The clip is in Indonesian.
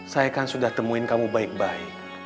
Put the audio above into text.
saya kan sudah temuin kamu baik baik